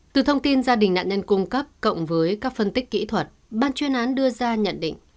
từ thông tin gia đình nạn nhân cung cấp cộng với các phân tích kỹ thuật ban chuyên án đưa ra nhận định